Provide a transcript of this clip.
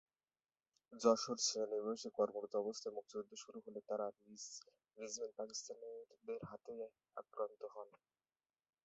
যশোর সেনানিবাসে কর্মরত অবস্থায় মুক্তিযুদ্ধ শুরু হলে তারা নিজ রেজিমেন্ট পাকিস্তানিদের হাতেই আক্রান্ত হন।